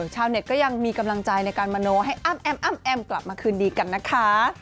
ชาวเน็ตก็ยังมีกำลังใจในการมโนให้อ้ำแอมอ้ำแอมกลับมาคืนดีกันนะคะ